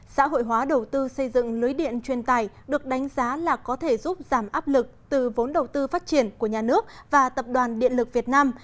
xã hội hóa đầu tư xây dựng lưới điện truyền tài được đánh giá là có thể giúp giảm áp lực từ vốn đầu tư phát triển của nhà nước và tập đoàn điện lực việt nam